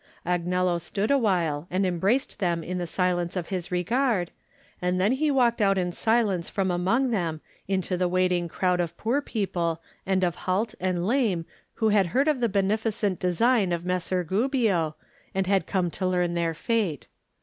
Agnello stood awhile and em braced them in the silence of his regard, and then he walked out in silence from among them into the waiting crowd of poor people and of halt and lame who had heard of the beneficent design of Messer Gubbio and had come to learn their fate.